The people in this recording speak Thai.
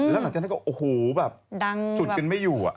แล้วหลังจากนั้นก็โอ้โหแบบจุดกันไม่อยู่